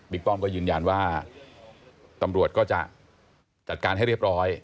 ป้อมก็ยืนยันว่าตำรวจก็จะจัดการให้เรียบร้อย